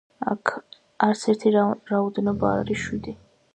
არც ერთი რაოდენობა აქ არ არის შვიდი.